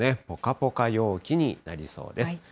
ぽかぽか陽気になりそうです。